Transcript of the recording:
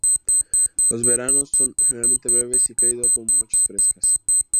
Los veranos son generalmente breves y cálido con noches frescas.